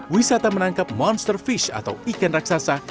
wisata menangkap monster fish atau ikan raksasa